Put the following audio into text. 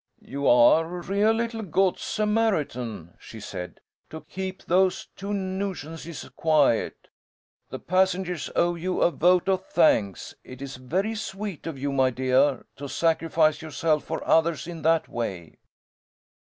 "You are a real little 'good Samaritan,'" she said, "to keep those two nuisances quiet. The passengers owe you a vote of thanks. It is very sweet of you, my dear, to sacrifice yourself for others in that way."